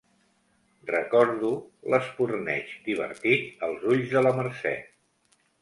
Recordo l'espurneig divertit als ulls de la Mercè.